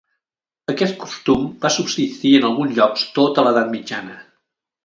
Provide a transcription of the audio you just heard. Aquest costum va subsistir en alguns llocs tota l'edat mitjana.